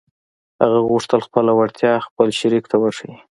هغه غوښتل خپله وړتيا خپل شريک ته وښيي.